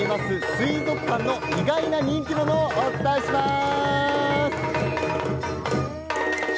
水族館の意外な人気者をお伝えします。